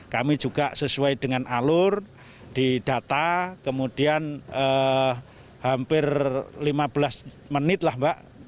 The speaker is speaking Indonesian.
kami juga sesuai dengan alur di data kemudian hampir lima belas menit lah mbak